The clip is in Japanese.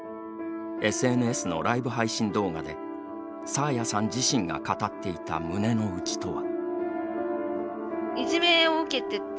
ＳＮＳのライブ配信動画で爽彩さん自身が語っていた胸の内とは。